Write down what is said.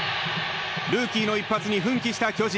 ルーキーの一発に奮起した巨人。